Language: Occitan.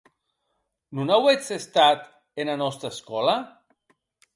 Non auetz estat ena nòsta escòla?